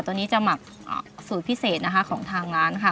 ตัวนี้จะหมักสูตรพิเศษนะคะของทางร้านค่ะ